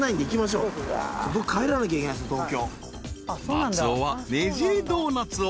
［松尾はねじりドーナツを。